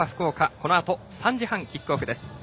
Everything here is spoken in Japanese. このあと３時半キックオフです。